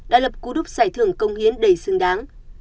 đã lập cú đúc giải thưởng công hiến đầy xứng đáng